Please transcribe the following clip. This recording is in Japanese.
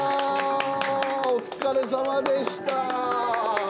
お疲れさまでした。